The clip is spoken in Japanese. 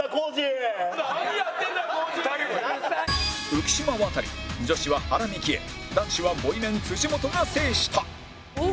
浮島渡り女子は原幹恵男子はボイメン本が制した